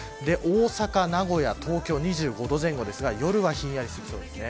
大阪、名古屋、東京２５度前後ですが夜はひんやりしてきそうです。